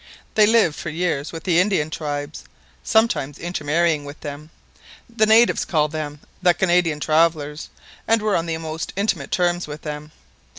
They lived for years with the Indian tribes, sometimes intermarrying with them. The natives called them the 'Canadian travellers,' and were on the most intimate terms with them.